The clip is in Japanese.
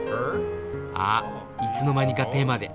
あっいつの間にか手まで。